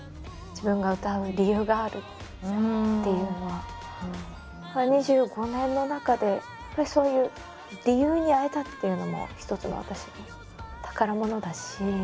実際にライブでも見るとやっぱり２５年の中でやっぱりそういう理由に会えたっていうのも一つの私の宝物だし。